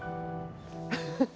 フフフ！